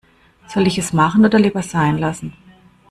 Soll ich es machen oder lieber sein lassen?